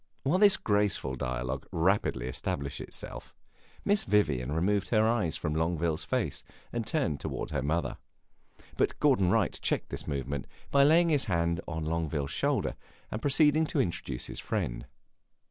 While this graceful dialogue rapidly established itself, Miss Vivian removed her eyes from Longueville's face and turned toward her mother. But Gordon Wright checked this movement by laying his hand on Longueville's shoulder and proceeding to introduce his friend.